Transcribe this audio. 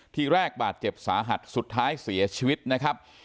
ทีแรกบาดเจ็บสาหัสสุดท้ายเสียชีวิตนะครับ